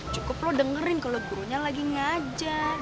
cukup lo dengerin kalau gurunya itu paham ya